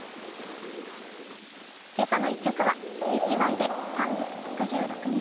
「けさの１曲」はＨＹで「３６６日」。